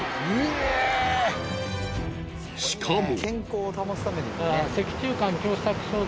しかも。